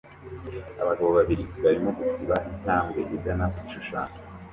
Abagabo babiri barimo gusiba intambwe igana ku gishushanyo